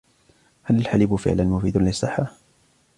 هل الحليب فعلاً مفيدٌ للصحة؟